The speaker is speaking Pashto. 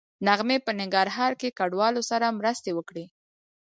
نغمې په ننګرهار کې کډوالو سره مرستې وکړې